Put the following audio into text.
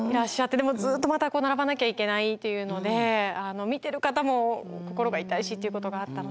でもずっとまた並ばなきゃいけないというので見てる方も心が痛いしということがあったので。